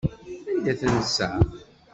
Anda tensa?